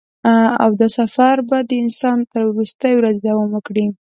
او دا سفر به د انسان تر وروستۍ ورځې دوام وکړي.